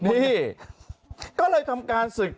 นี่ก็เลยทำการศึก